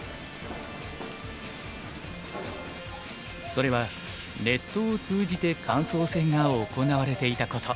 それはネットを通じて感想戦が行われていたこと。